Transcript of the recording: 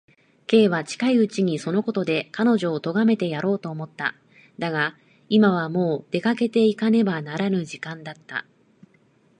Ｋ は近いうちにそのことで彼女をとがめてやろうと思った。だが、今はもう出かけていかねばならぬ時間だった。